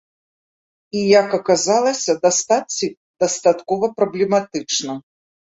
І, як аказалася, дастаць іх дастаткова праблематычна.